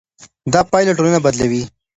دا پايلې ټولنه بدلوي.